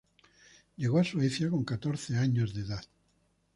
Llegó a Suecia con catorce años de edad.